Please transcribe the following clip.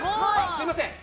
すみません。